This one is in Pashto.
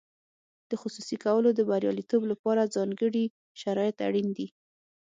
د خصوصي کولو د بریالیتوب لپاره ځانګړي شرایط اړین دي.